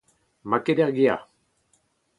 n'emañ ket er gêr